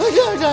eh ya ampun seh